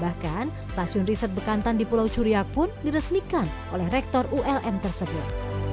bahkan stasiun riset bekantan di pulau curiak pun diresmikan oleh rektor ulm tersebut